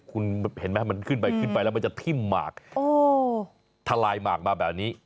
คุณเห็นไหมมันขึ้นไปขึ้นไปแล้วมันจะทิ่มหมากทลายหมากมาแบบนี้